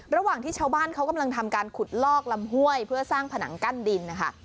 ระหว่างที่ชาวบ้านเขากำลังทำการขุดลอกลำห้วยเพื่อสร้างผนังกั้นดินนะคะ